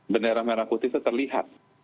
bendera merah putih itu terlihat